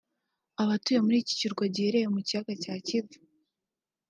Abatuye muri iki kirwa giherereye mu kiyaga cya Kivu